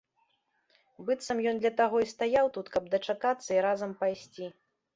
Быццам ён для таго і стаяў тут, каб дачакацца і разам пайсці.